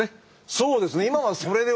そうですね。